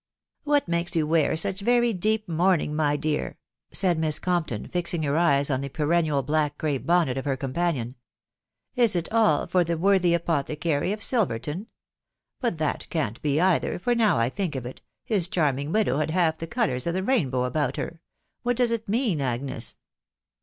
"What makes you wear such very deep mourning, my dear ?" said Miss Compton^ fixing her eyes on the perennial black crape bonnet of her companion. "Is it all for the worthy apothecary of Silverton ?.... But that can't be either ; for now I think of it, his charming widow had half the colours of the rainbow about Tier .... What does it mean, Agnes